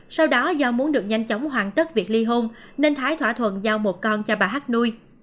sau đó do muốn được nhanh chóng hoàn tất việc ly hôn nên thái thỏa thuận giao một con cho bà hát nuôi